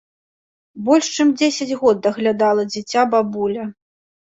Больш чым дзесяць год даглядала дзіця бабуля.